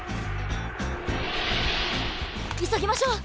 いそぎましょう！